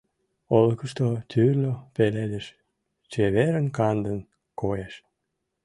Олыкышто тӱрлӧ пеледыш чеверын-кандын коеш.